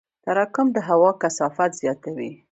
تراکم د هوا کثافت زیاتوي.